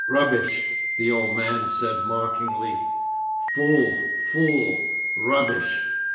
'Rubbish!' the old man said mockingly. 'Fool, fool! Rubbish.